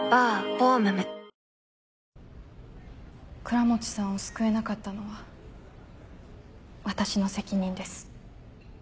倉持さんを救えなかったのは私の責任です。